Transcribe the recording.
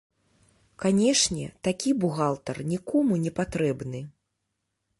Канешне, такі бухгалтар нікому не патрэбны.